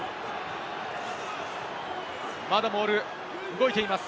まだモールが動いています。